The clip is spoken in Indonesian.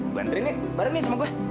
nganterin nih bareng nih sama gue